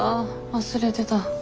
忘れてた。